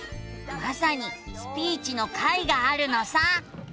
まさに「スピーチ」の回があるのさ。